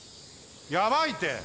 やばいて。